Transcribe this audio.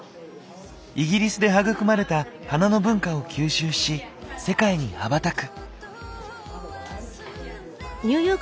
イギリスで育まれた花の文化を吸収し世界に羽ばたく。